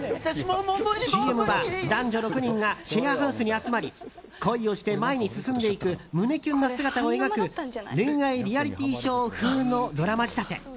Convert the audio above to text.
ＣＭは男女６人がシェアハウスに集まり恋をして前に進んでいく胸キュンな姿を描く恋愛リアリティーショー風のドラマ仕立て。